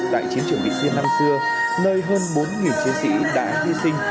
tại chiến trường vị xuyên năm xưa nơi hơn bốn chiến sĩ đã hy sinh